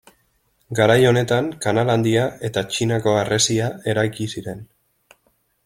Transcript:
Garai honetan Kanal Handia eta Txinako Harresia eraiki ziren.